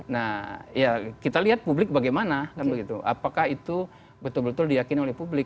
nah ya kita lihat publik bagaimana kan begitu apakah itu betul betul diyakini oleh publik